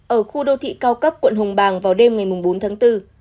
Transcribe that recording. ở khu đô thị cao cấp quận hùng bang vào đêm ngày bốn tháng bốn